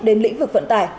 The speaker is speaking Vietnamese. đến lĩnh vực vận tải